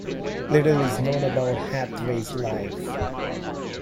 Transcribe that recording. Little is known about Hathwaye's life.